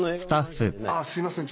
すいません。